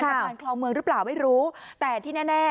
สะพานคลองเมืองหรือเปล่าไม่รู้แต่ที่แน่แน่